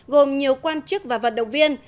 gồm nhiều quan chức và vận động viên